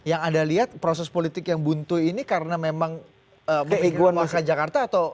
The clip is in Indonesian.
yang ada lihat proses politik yang buntu ini karena memang memikirkan masyarakat jakarta atau